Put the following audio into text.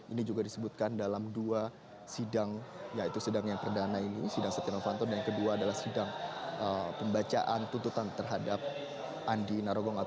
ini juga disebutkan dalam dua sidang yaitu sidang yang perdana ini sidang setia novanto dan yang kedua adalah sidang pembacaan tuntutan terhadap andi narogong